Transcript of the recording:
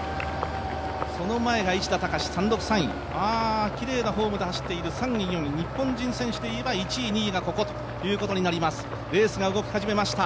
その前が市田孝、単独３位、きれいなフォームで走っている３位４位日本選手でいえば１位、２位がここということになります、レースが動き始めました。